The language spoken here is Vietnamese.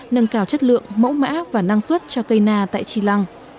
nâng cao chất lượng mẫu mã và năng suất cho cây na tại chi lăng